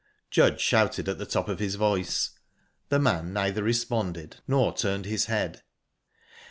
Judge shouted at the top of his voice. The man neither responded nor turned his head.